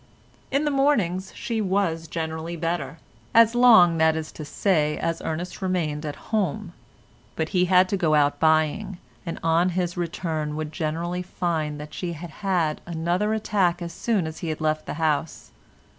In the mornings she was generally better, as long that is to say as Ernest remained at home; but he had to go out buying, and on his return would generally find that she had had another attack as soon as he had left the house.